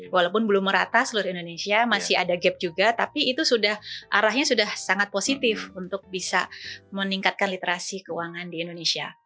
walaupun belum merata seluruh indonesia masih ada gap juga tapi itu sudah arahnya sudah sangat positif untuk bisa meningkatkan literasi keuangan di indonesia